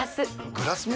グラスも？